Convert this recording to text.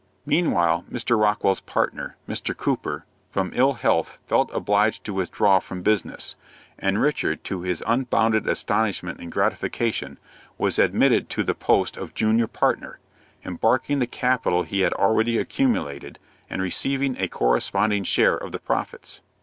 Meanwhile Mr. Rockwell's partner, Mr. Cooper, from ill health felt obliged to withdraw from business, and Richard, to his unbounded astonishment and gratification, was admitted to the post of junior partner, embarking the capital he had already accumulated, and receiving a corresponding share of the profits.